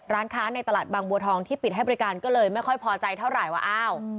ร้านค้าในตลาดบางบัวทองที่ปิดให้บริการก็เลยไม่ค่อยพอใจเท่าไหร่ว่าอ้าว